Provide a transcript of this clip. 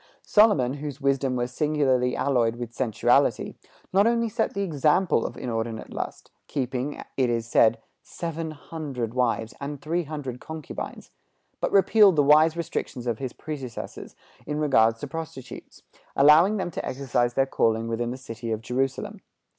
Solomon, whose wisdom was singularly alloyed with sensuality, not only set the example of inordinate lust, keeping, it is said, seven hundred wives and three hundred concubines, but repealed the wise restrictions of his predecessors in regard to prostitutes, allowing them to exercise their calling within the city of Jerusalem.